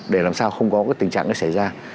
để làm sao không có cái tình trạng này xảy ra